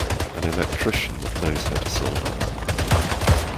An electrician knows how to solder.